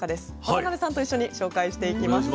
渡辺さんと一緒に紹介していきます。